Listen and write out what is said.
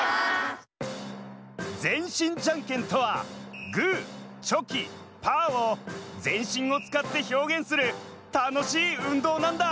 全身じゃんけんとはグーチョキパーを全身をつかってひょうげんするたのしい運動なんだ！